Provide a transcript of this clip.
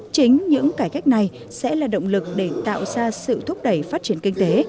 chính những cải cách này sẽ là động lực để tạo ra sự thúc đẩy phát triển kinh tế